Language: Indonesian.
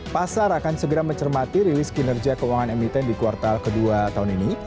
pasar akan segera mencermati rilis kinerja keuangan emiten di kuartal ke dua tahun ini